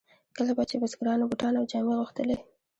کله به چې بزګرانو بوټان او جامې غوښتلې.